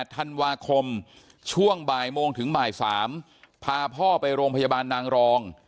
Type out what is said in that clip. ธันวาคมช่วงบ่ายโมงถึงบ่าย๓พาพ่อไปโรงพยาบาลนางรอง